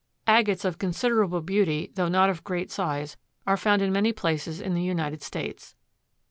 Agates of considerable beauty, though not of great size, are found in many places in the United States.